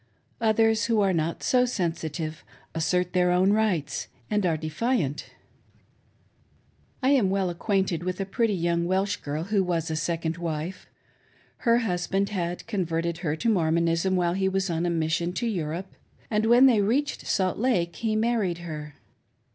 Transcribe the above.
Others, who are not so sensitive, assert their own rights and are defiant. I am well acquainted with a pretty young Welsh girl who was a second wife. Her husband had converted her to Mor monism while he was on a mission to Europe, and, when they reached Salt Lake, he married her.